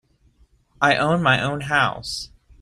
I own my own house.